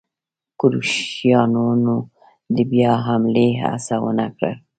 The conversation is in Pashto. کروشیایانو د بیا حملې هڅه ونه کړل.